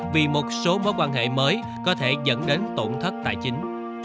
vì một số mối quan hệ mới có thể dẫn đến tổn thất tài chính